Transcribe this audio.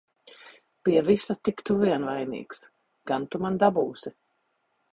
Pie visa tik tu vien vainīgs! Gan tu man dabūsi!